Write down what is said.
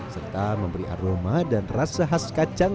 serta memberi aroma dan rasa khas kacang